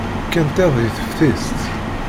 Kkant iḍ deg teftist.